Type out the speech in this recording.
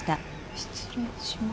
失礼します。